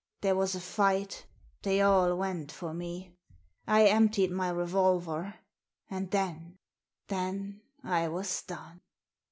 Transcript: There was a fight They all went for me. I emptied my revolver. And then — then I was done."